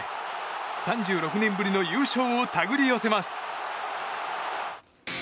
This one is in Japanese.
３６年ぶりの優勝をたぐり寄せます。